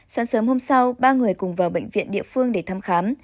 sáng sớm hôm sau ba người cùng vào bệnh viện địa phương để thăm khám